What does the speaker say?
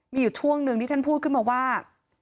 มีอยู่ช่วงหนึ่งที่ท่านพูดขึ้นมาว่า